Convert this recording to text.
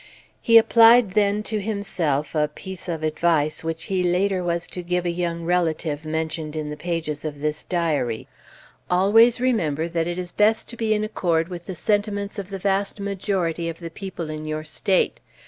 He applied then to himself a piece of advice which he later was to give a young relative mentioned in the pages of this Diary: "Always remember that it is best to be in accord with the sentiments of the vast majority of the people in your State.